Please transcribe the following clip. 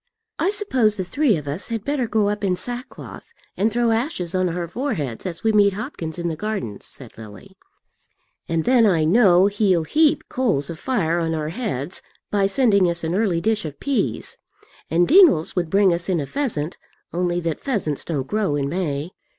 "I suppose the three of us had better go up in sackcloth, and throw ashes on our foreheads as we meet Hopkins in the garden," said Lily, "and then I know he'll heap coals of fire on our heads by sending us an early dish of peas. And Dingles would bring us in a pheasant, only that pheasants don't grow in May."